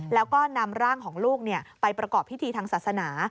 แล้วก็นำร่างของลูกไปประกอบพิธีทางศาสนา